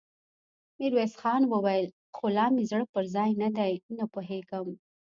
ميرويس خان وويل: خو لا مې زړه پر ځای نه دی، نه پوهېږم!